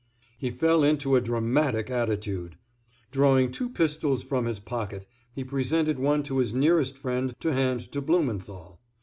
He fell into a dramatic attitude. Drawing two pistols from his pocket, he presented one to his nearest friend to hand to Blumenthal.